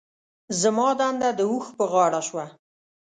زما دنده د اوښ په غاړه شوه.